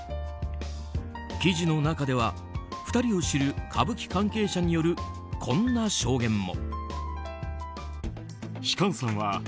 記事の中では２人を知る歌舞伎関係者によるこんな証言も。